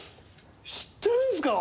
知ってるんですか？